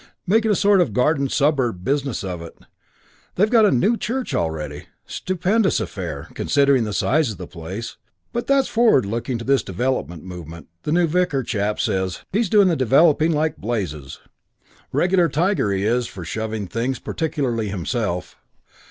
Making a sort of garden suburb business of it. They've got a new church already. Stupendous affair, considering the size of the place but that's looking forward to this development movement, the new vicar chap says. He's doing the developing like blazes. Regular tiger he is for shoving things, particularly himself.